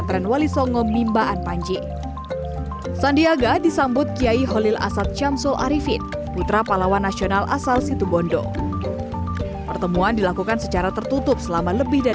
selewanya memikirkan besar bisa turuskan niat sebagai ibadah dan jangan sampai terpecah bulan